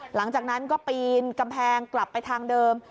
หลังจากนั้นก็ปีนกำแพงกลับไปทางเดิม